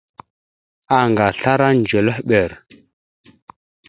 Anga aslara ndzœlœhɓer.